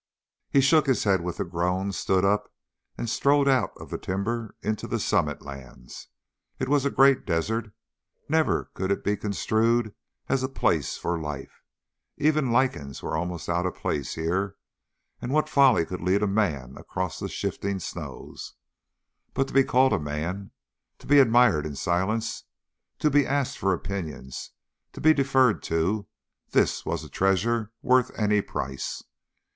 He shook his head with a groan, stood up, and strode out of the timber into the summit lands. It was a great desert. Never could it be construed as a place for life. Even lichens were almost out of place here, and what folly could lead a man across the shifting snows? But to be called a man, to be admired in silence, to be asked for opinions, to be deferred to this was a treasure worth any price!